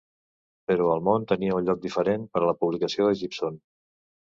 Però el món tenia un lloc diferent per a la publicació de Gibson.